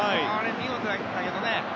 見事だったけどね。